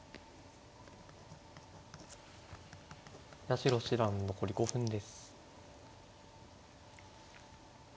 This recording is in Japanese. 八代七段残り５分です。